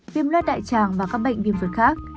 viêm loát đại tràng và các bệnh viêm ruột khác